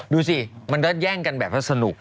ดูสิมันก็แย่งกันแบบว่าสนุก